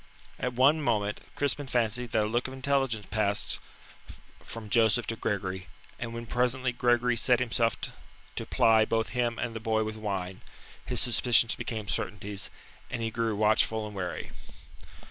At one moment Crispin fancied that a look of intelligence passed from Joseph to Gregory, and when presently Gregory set himself to ply both him and the boy with wine, his suspicions became certainties, and he grew watchful and wary.